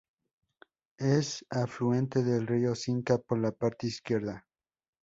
Es afluente del río Cinca por la parte izquierda.